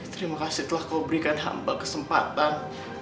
terima kasih telah kau berikan hamba kesempatan